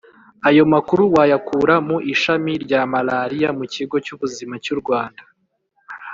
ayo makuru wayakura mu ishami rya malaria mu kigo cy'ubuzima cy'u rwanda